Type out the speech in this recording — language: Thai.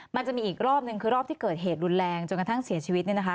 มันจะมีอีกรอบนึงคือรอบที่เกิดเหตุรุนแรงจนกระทั่งเสียชีวิตเนี่ยนะคะ